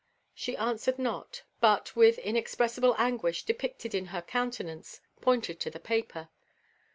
She answered not, but, with inexpressible anguish depicted in her countenance, pointed to the paper.